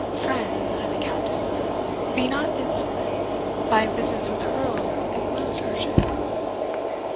"Friend," said the Countess, "be not insolent my business with the Earl is most urgent."